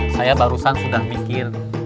saya barusan sudah mikir